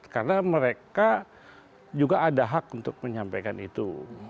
karena mereka juga ada hak untuk menyampaikan itu